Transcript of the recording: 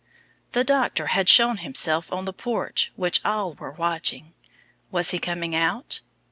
The doctor had shown himself on the porch which all were watching. Was he coming out?